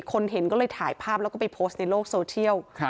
คนเห็นก็เลยถ่ายภาพแล้วก็ไปโพสต์ในโลกโซเชียล